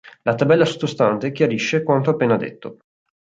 La tabella sottostante chiarisce quanto appena detto.